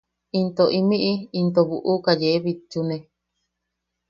Into imiʼi into buʼuka yee bitchune.